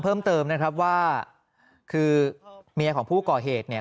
เพิ่มเติมนะครับว่าคือเมียของผู้ก่อเหตุเนี่ย